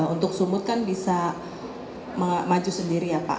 untuk sumut kan bisa maju sendiri ya pak